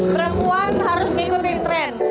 perempuan harus mengikuti tren